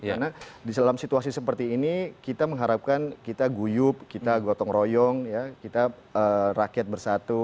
karena di dalam situasi seperti ini kita mengharapkan kita guyup kita gotong royong kita rakyat bersatu